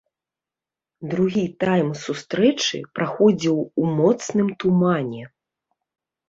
Другі тайм сустрэчы праходзіў у моцным тумане.